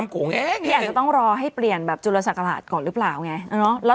อยากต้องรอให้เปลี่ยนจุฬสังฆาตก่อนหมดรึเปล่า